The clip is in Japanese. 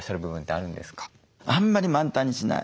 あんまり満タンにしない。